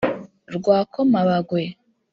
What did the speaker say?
Rwa Komabagwe